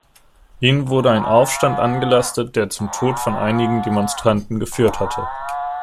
Ihnen wurde ein Aufstand angelastet, der zum Tod von einigen Demonstranten geführt hatte.